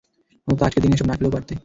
অন্তত আজকের দিনে এসব না খেলেও পারতে!